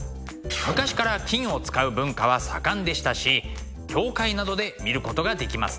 昔から金を使う文化は盛んでしたし教会などで見ることができますね。